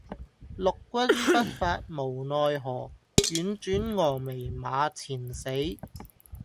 六軍不發無奈何，宛轉蛾眉馬前死。